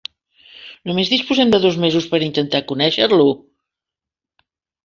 Només disposem de dos mesos per a intentar conèixer-lo.